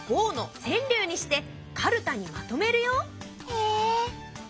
へえ。